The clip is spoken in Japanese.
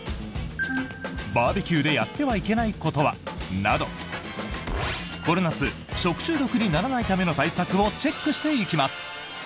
バーベキューでやってはいけないことは？などこの夏食中毒にならないための対策をチェックしていきます。